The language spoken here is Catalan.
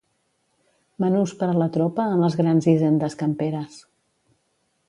Menús per a la tropa en les grans hisendes camperes.